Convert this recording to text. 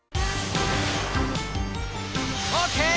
オッケー！